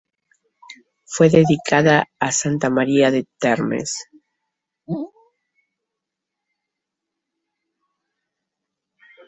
Fue dedicada a Santa María de Tiermes.